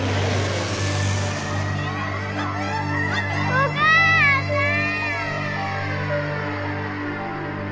お母さん！